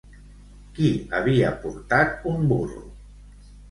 Qui havia portat un burro?